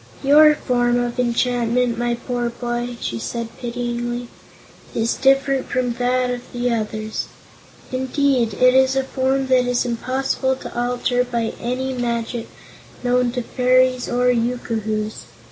"Your form of enchantment, my poor boy," she said pityingly, "is different from that of the others. Indeed, it is a form that is impossible to alter by any magic known to fairies or yookoohoos.